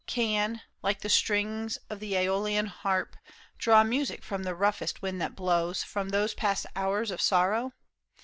Can, like the strings of an ^Eolian harp. Draw music from the roughest wind that blows From those past hours of sorrow